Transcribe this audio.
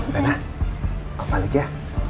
lena aku balik ya